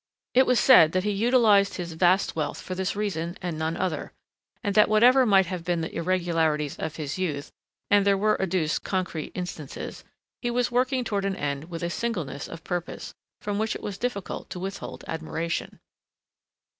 It was said that he utilized his vast wealth for this reason, and none other, and that whatever might have been the irregularities of his youth and there were adduced concrete instances he was working toward an end with a singleness of purpose, from which it was difficult to withhold admiration.